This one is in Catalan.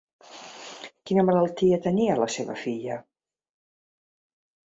Quina malaltia tenia la seva filla?